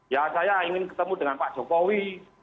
ya saya ingin ketemu dengan pak jokowi